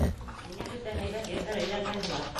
Ниңә бөтә һәйбәт ирҙәр өйләнгән була?!